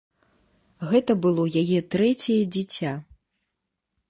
Гэта было яе трэцяе дзіця.